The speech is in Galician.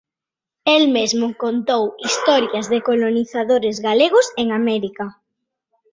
El mesmo contou historias de colonizadores galegos en América.